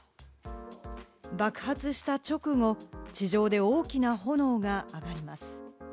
爆発した直後、地上で大きな炎があがります。